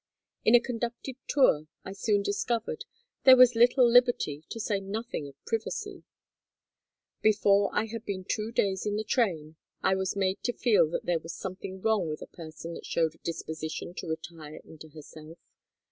In a conducted tour, I soon discovered, there was little liberty, to say nothing of privacy. Before I had been two days in the train I was made to feel that there was something wrong with a person that showed a disposition to retire into herself.